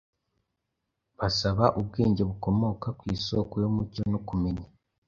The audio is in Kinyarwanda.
basaba ubwenge bukomoka kw’isoko y’umucyo no kumenya.